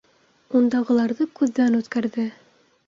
Ундағыларҙы күҙҙән үткәрҙе.